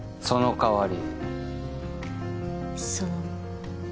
そのかわり？